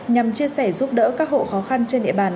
nhằm chia sẻ giúp đỡ các hộ khó khăn trên địa bàn